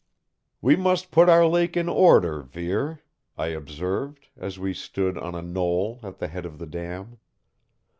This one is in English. "We must put our lake in order, Vere," I observed, as we stood on a knoll at the head of the dam.